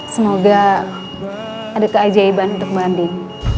semoga ada keajaiban untuk bu anding